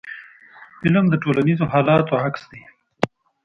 فلم د ټولنیزو حالاتو عکس دی